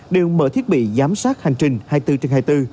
đều mở thiết bị giám sát hành trình hai mươi bốn trên hai mươi bốn